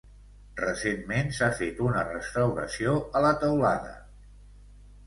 Recentment s'ha fet una restauració a la teulada.